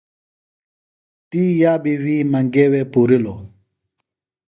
تی یابی وی منگے وے پُورِلوۡ۔